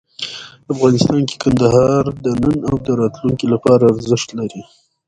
افغانستان کې کندهار د نن او راتلونکي لپاره ارزښت لري.